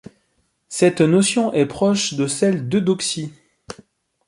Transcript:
Cette notion est proche de celle d'Eudoxie.